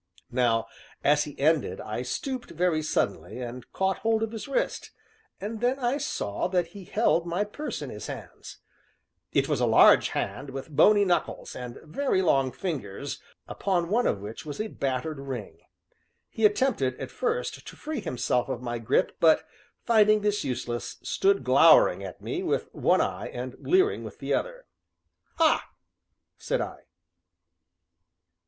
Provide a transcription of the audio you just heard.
Now, as he ended, I stooped, very suddenly, and caught hold of his wrist and then I saw that he held my purse in his hand. It was a large hand with bony knuckles, and very long fingers, upon one of which was a battered ring. He attempted, at first, to free himself of my grip, but, finding this useless, stood glowering at me with one eye and leering with the other. "Ha!" said I.